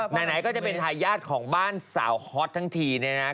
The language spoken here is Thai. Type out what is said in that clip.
ไหนก็จะเป็นทายาทของบ้านสาวฮอตทั้งทีเนี่ยนะ